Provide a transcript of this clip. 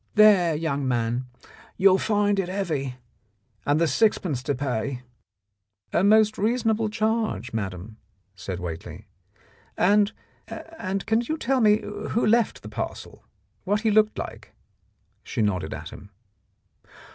There, young man, you'll find it heavy, and there's sixpence to pay." ' "A most reasonable charge, madam," said Whately. "And— and can you tell rne who left the parcel — what he looked like? " She nodded at him.